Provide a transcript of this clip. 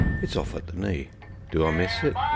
It's off at the knee. Do I miss it?